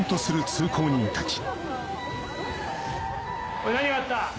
・おい何があった？